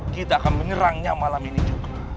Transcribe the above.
kita akan menyerangnya malam ini juga